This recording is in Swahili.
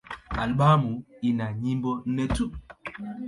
Albamu ina nyimbo nne tu.